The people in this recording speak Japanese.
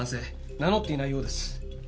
名乗っていないようです。